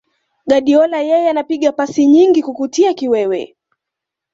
Guardiola yeye anapiga pasi nyingi kukutia kiwewe